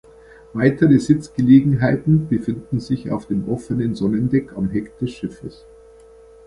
Weitere Sitzgelegenheiten befinden sich auf dem offenen Sonnendeck am Heck des Schiffes.